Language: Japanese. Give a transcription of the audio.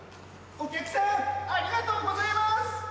・お客さんありがとうございます！